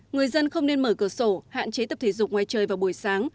người dân không nên mở cửa sổ hạn chế tập thể dục ngoài trời vào buổi sáng